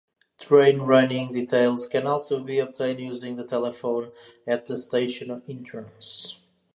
Train running details can also be obtained using the telephone at the station entrance.